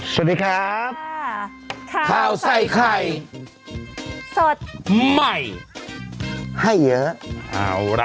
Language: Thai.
สวัสดีครับข้าวใส่ไข่สดใหม่ให้เยอะเอาล่ะ